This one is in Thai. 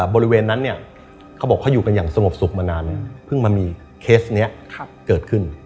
บริเวณนั้นเนี่ยเขาบอกเขาอยู่กันอย่างสงบสุขมานานเพิ่งมามีเคสนี้เกิดขึ้น